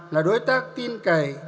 là đối tác tin cậy